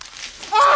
ああ！